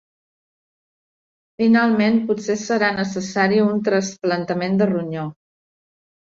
Finalment, potser serà necessari un trasplantament de ronyó.